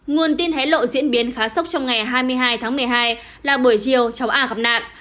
nguồn tin hé lộ diễn biến khá sốc trong ngày hai mươi hai tháng một mươi hai là buổi chiều cháu a gặp nạn